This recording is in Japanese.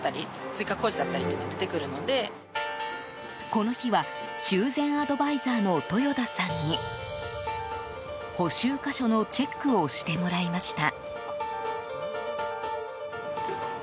この日は修繕アドバイザーの豊田さんに補修箇所のチェックをしてもらいました。